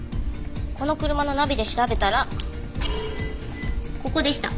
この車のナビで調べたらここでした。